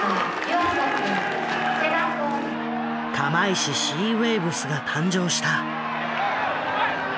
「釜石シーウェイブス」が誕生した。